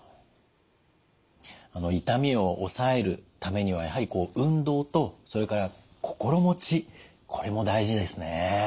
痛みを抑えるためにはやはり運動とそれから心持ちこれも大事ですね。